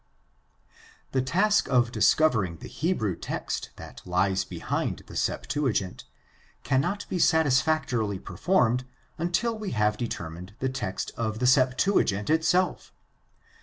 The task of discovering the Hebrew text that lies behind the Septuagint cannot be satisfactorily performed until we have determined the text of the Septuagint itself.